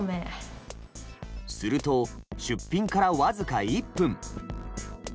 すると出品から僅か１分。